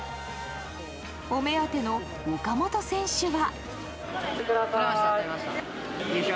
お目当ての岡本選手は。